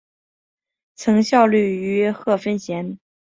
曾效力于贺芬咸。